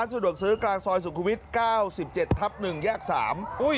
มันปลาระเบิดใส่กันตรงนี้ร้านสุดห่วงซื้อกลางซอยสุขุวิท